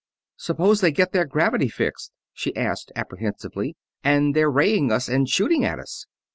"Suppose they get their gravity fixed?" she asked, apprehensively. "And they're raying us and shooting at us!"